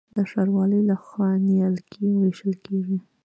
د ښاروالۍ لخوا نیالګي ویشل کیږي.